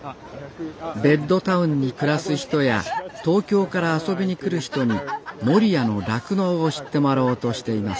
ベッドタウンに暮らす人や東京から遊びに来る人に守谷の酪農を知ってもらおうとしています